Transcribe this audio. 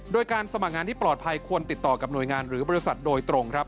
โดยการสมัครงานที่ปลอดภัยควรติดต่อกับหน่วยงานหรือบริษัทโดยตรงครับ